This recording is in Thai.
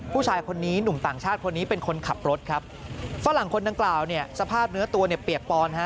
ผู้ชายคนนี้หนุ่มต่างชาติคนนี้เป็นคนขับรถครับฝรั่งคนดังกล่าวเนี่ยสภาพเนื้อตัวเนี่ยเปียกปอนฮะ